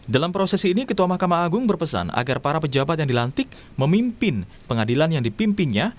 dalam proses ini ketua mahkamah agung berpesan agar para pejabat yang dilantik memimpin pengadilan yang dipimpinnya